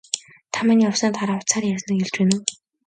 Та миний явсны дараа утсаар ярьсныг хэлж байна уу?